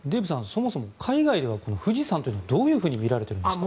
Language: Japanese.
そもそも海外ではこの富士山というのはどのように見られているんですか？